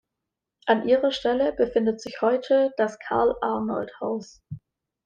An ihrer Stelle befindet sich heute das Karl-Arnold-Haus.